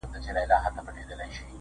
چې تقدیر زما مخې ته راوستې وې،